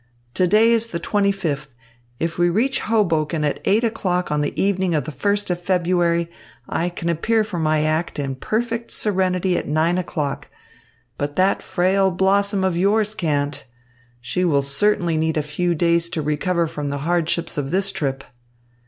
To day is the twenty fifth. If we reach Hoboken at eight o'clock the evening of the first of February, I can appear for my act in perfect serenity at nine o'clock; but that frail blossom of yours can't. She will certainly need a few days to recover from the hardships of this trip."